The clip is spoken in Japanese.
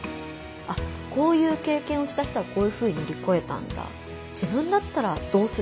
あっこういう経験をした人はこういうふうに乗り越えたんだ。